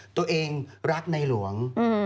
ตัวเองรักในหลวง